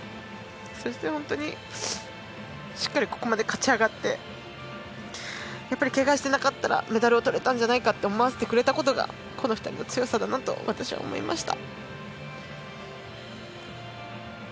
そして本当に、しっかりここまで勝ち上がってやっぱりけがをしてなかったらメダルをとれたんじゃないかって思わせてくれたことがこの２人の強さだなと私は思いました。